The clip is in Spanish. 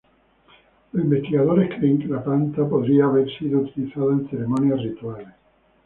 Los investigadores creen que la planta podría haber sido utilizada en ceremonias rituales.